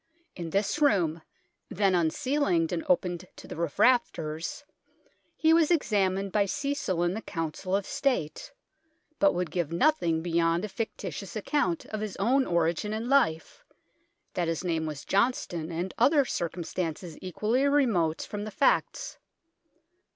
In this room, then unceilinged and open to the roof rafters, he was examined by Cecil and the Council of State, but would give nothing beyond a fictitious account of his own origin and life that his name was Johnston, and other circumstances equally remote from the facts.